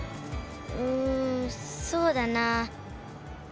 うんそうだなあ。